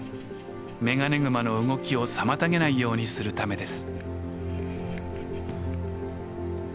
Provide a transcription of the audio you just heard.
メガネグマの動きを妨げないようにするためです。